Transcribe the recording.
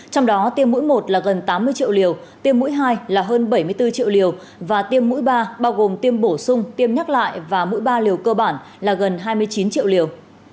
trong đó tiêm mỗi một là gần tám mươi triệu liều tiêm mũi hai là hơn bảy mươi bốn triệu liều và tiêm mũi ba bao gồm tiêm bổ sung tiêm nhắc lại và mũi ba liều cơ bản là gần hai mươi chín triệu liều